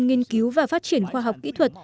nghiên cứu và phát triển khoa học kỹ thuật